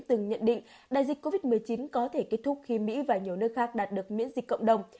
từng nhận định đại dịch covid một mươi chín có thể kết thúc khi mỹ và nhiều nước khác đạt được miễn dịch cộng đồng